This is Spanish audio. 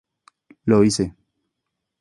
Lo hice.